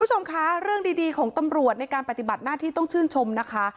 คุณผู้ชมคะเรื่องดีของตำรวจในการปฏิบัติหน้าที่ต้องชื่นชมนะคะ